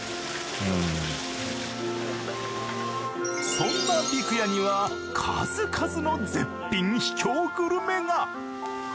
そんな魚籠屋には数々の絶品秘境グルメが。